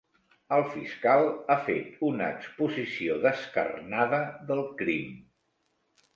El fiscal ha fet una exposició descarnada del crim.